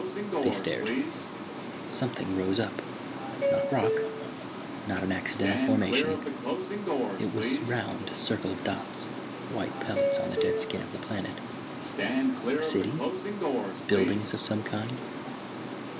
They stared. Something rose up, not rock, not an accidental formation. It was round, a circle of dots, white pellets on the dead skin of the planet. A city? Buildings of some kind?